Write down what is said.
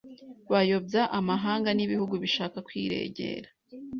bayobya amahanga nibihugu bishaka kwirengera